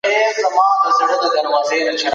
سیاستپوهنه د فکر کولو لاره ده.